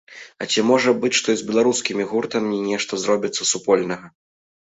А ці можа быць, што і з беларускімі гуртамі нешта зробіце супольнага?